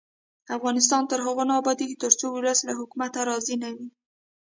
افغانستان تر هغو نه ابادیږي، ترڅو ولس له حکومته راضي نه وي.